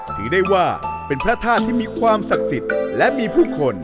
ถือได้ว่าเป็นพระธาตุที่มีความศักดิ์สิทธิ์และมีผู้คน